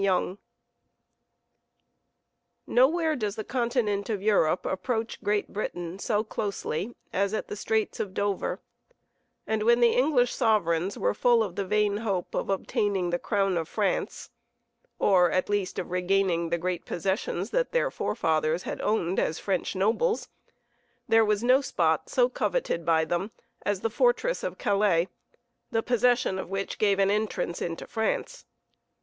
Yonge Nowhere does the continent of Europe approach Great Britain so closely as at the Straits of Dover, and when the English sovereigns were full of the vain hope of obtaining the crown of France, or at least of regaining the great possessions that their forefathers had owned as French nobles, there was no spot so coveted by them as the fortress of Calais, the possession of which gave an entrance into France.